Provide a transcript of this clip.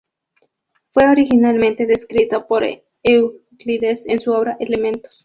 Fue originalmente descrito por Euclides en su obra "Elementos".